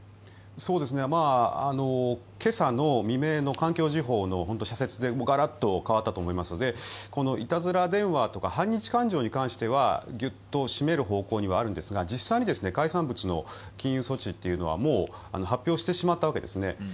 今朝の未明の環球時報の社説でガラッと変わったと思いますのでこのいたずら電話とか反日感情に関してはギュッと締める方向にはあるんですが実際に海産物の禁輸措置というのはもう発表してしまったわけです。